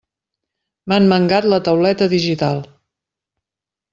M'han mangat la tauleta digital!